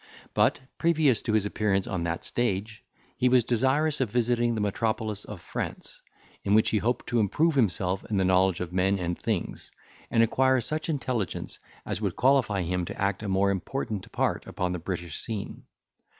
But, previous to his appearance on that stage, he was desirous of visiting the metropolis of France, in which he hoped to improve himself in the knowledge of men and things, and acquire such intelligence as would qualify him to act a more important part upon the British scene.